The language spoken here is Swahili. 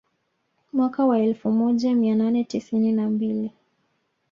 Mwaka wa elfu moja mia nane tisini na mbili